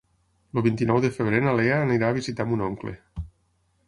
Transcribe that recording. El vint-i-nou de febrer na Lea irà a visitar mon oncle.